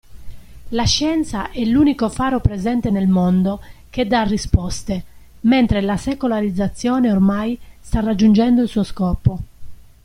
La scienza è l'unico faro presente nel mondo che dà risposte mentre la secolarizzazione ormai sta raggiungendo il suo scopo.